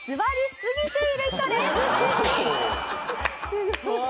すごい。